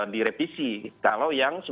direvisi kalau yang